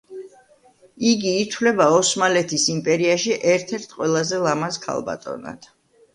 იგი ითვლება ოსმალეთის იმპერიაში ერთ-ერთ ყველაზე ლამაზ ქალბატონად.